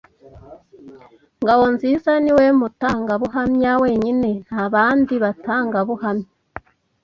Ngabonziza niwe mutangabuhamya wenyine. Nta bandi batangabuhamya.